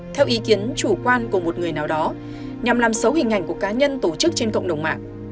theo ý kiến chủ quan của một người nào đó nhằm làm xấu hình ảnh của cá nhân tổ chức trên cộng đồng mạng